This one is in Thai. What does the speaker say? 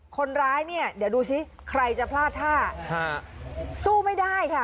คนร้ายเนี่ยเดี๋ยวดูสิใครจะพลาดท่าสู้ไม่ได้ค่ะ